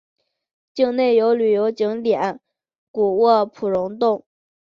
境内有旅游景点谷窝普熔洞。